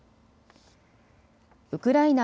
ウクライナ